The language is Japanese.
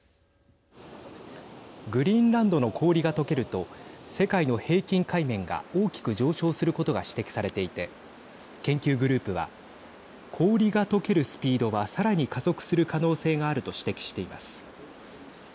グリーンランドの氷がとけると世界の平均海面が大きく上昇することが指摘されていて研究グループは氷がとけるスピードはさらに加速する可能性があると指摘しています。